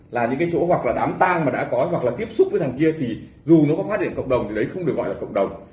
là những cái chỗ hoặc là đám tang mà đã có hoặc là tiếp xúc với thằng kia thì dù nó có phát hiện cộng đồng thì đấy không được gọi là cộng đồng